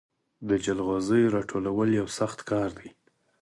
د جلغوزیو راټولول یو سخت کار دی.